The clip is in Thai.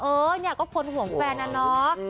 เออเนี่ยก็คนห่วงแฟนนะเนาะ